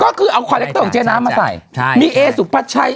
ก็คือเอาคาแรคเตอร์ของเจ๊น้ำมาใส่ใช่มีเอสุภาชัย